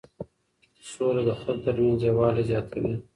سوله د خلکو ترمنځ یووالی زیاتوي.